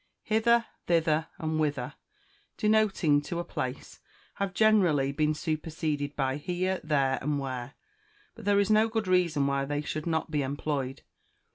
Hither, thither, and whither, denoting to a place, have generally been superseded by here, there, and where. But there is no good reason why they should not be employed.